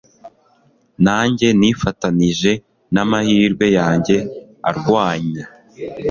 nanjye, nifatanije n'amahirwe yanjye arwanya